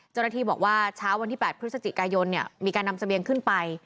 เจ้าหน้าที่บอกว่าเช้าวันที่๘พฤศจิกายนมีการนำเสบียงขึ้นไป